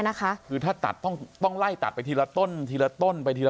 นะคะคือถ้าตัดต้องต้องไล่ตัดไปทีละต้นทีละต้นไปทีละ